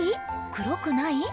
黒くない？